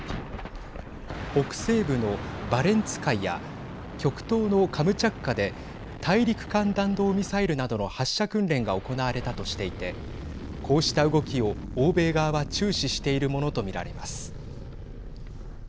北西部のバレンツ海や極東のカムチャッカで大陸間弾道ミサイルなどの発射訓練が行われたとしていてこうした動きを欧米側は注視しているものと見られます。